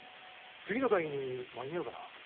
・次の会議に間に合うかな